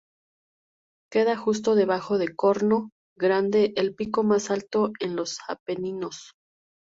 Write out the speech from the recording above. Queda justo debajo de Corno Grande, el pico más alto en los Apeninos.